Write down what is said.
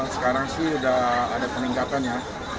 sekarang sih sudah ada peningkatannya